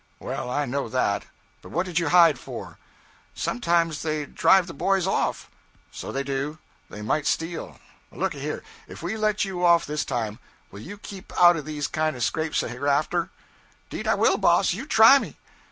'Well, I know that. But what did you hide for?' 'Sometimes they drive the boys off.' 'So they do. They might steal. Looky here; if we let you off this time, will you keep out of these kind of scrapes hereafter?' ''Deed I will, boss. You try me.'